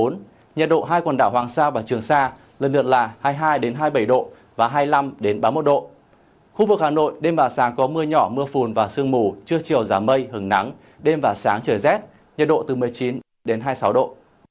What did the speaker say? nhiệt độ hai quần đảo hoàng sa và trường sa lần lượt là hai mươi hai hai mươi bảy độ và hai mươi năm ba mươi một độ khu vực hà nội đêm và sáng có mưa nhỏ mưa phùn và sương mù trưa chiều giảm mây hứng nắng đêm và sáng trời rét nhiệt độ từ một mươi chín hai mươi sáu độ